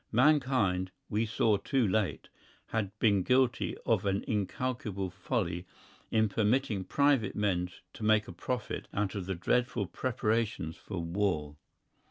Mankind, we saw too late, had been guilty of an incalculable folly in permitting private men to make a profit out of the dreadful preparations for war.